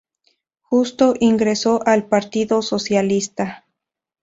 Justo, ingresó al partido socialista.